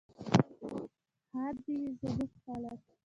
ښاد دې وي زموږ خلک.